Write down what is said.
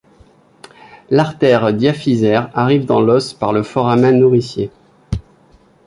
L'artère diaphysaire arrive dans l'os par le foramen nourricier.